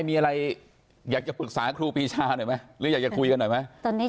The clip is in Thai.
ที่ดูข่าวแล้วว่าป้าพายยังไม่ได้